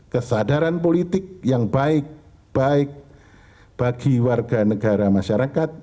kesadaran politik yang baik baik bagi warga negara masyarakat